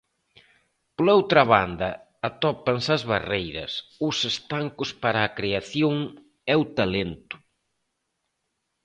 Pola outra banda, atópanse as barreiras, os estancos para a creación e o talento.